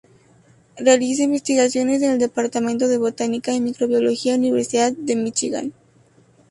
Realiza investigaciones en el "Departamento de Botánica y Microbiología", Universidad de Michigan.